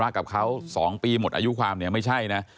กับเขา๒ปีหมดอายุความเนี่ยไม่ใช่นะ